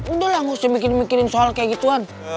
udah lah gak usah mikirin mikirin soal kayak gituan